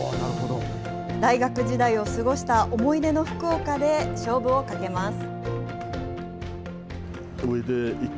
大学時代を過ごした思い出の福岡で、勝負をかけます。